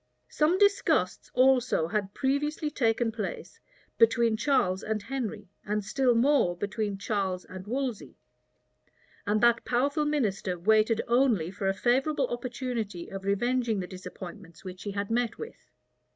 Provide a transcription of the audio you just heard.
Some disgusts also had previously taken place between Charles and Henry, and still more between Charles and Wolsey; and that powerful minister waited only for a favorable opportunity of revenging the disappointments which he had met with.